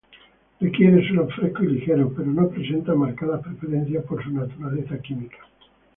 Requiere suelos frescos y ligeros, pero no presenta marcada preferencia por su naturaleza química.